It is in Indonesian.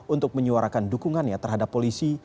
untuk menyuarakan dukungannya terhadap polisi